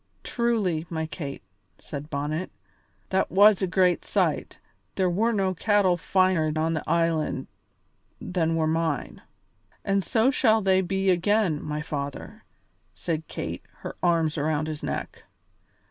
"Truly, my Kate," said Bonnet, "that was a great sight; there were no cattle finer on the island than were mine." "And so shall they be again, my father," said Kate, her arms around his neck.